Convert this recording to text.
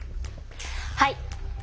はい。